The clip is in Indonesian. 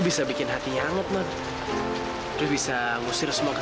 kenapa rasanya sedih banget liat rizky dekat sama amira